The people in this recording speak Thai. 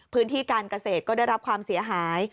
พื้นที่การเกษตรก็ได้รับความเสียหาย